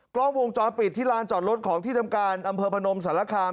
กล้องวงจรปิดที่ลานจอดรถของที่ทำการอำเภอพนมสารคาม